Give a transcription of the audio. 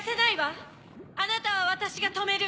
あなたは私が止める。